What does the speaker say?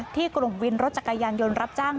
กลุ่มวินรถจักรยานยนต์รับจ้าง